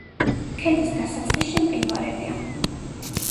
ქედის დასაწყისში მყინვარებია.